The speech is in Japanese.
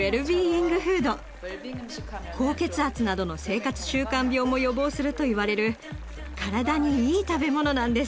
高血圧などの生活習慣病も予防するといわれる体に良い食べ物なんです。